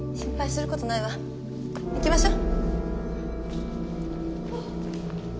行きましょう。